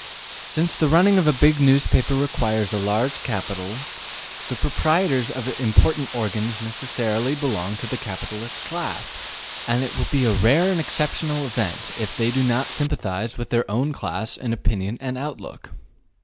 Since the running of a big newspaper requires a large capital, the proprietors of important organs necessarily belong to the capitalist class, and it will be a rare and exceptional event if they do not sympathize with their own class in opinion and outlook.